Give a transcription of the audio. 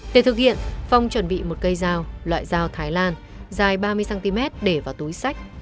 để thực hiện phong chuẩn bị một cây dao loại dao thái lan dài ba mươi cm để vào túi sách